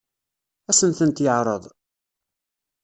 Ad sen-tent-yeɛṛeḍ?